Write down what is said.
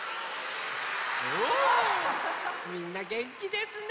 みんなげんきですね！